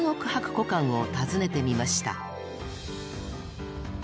古館を訪ねてみました。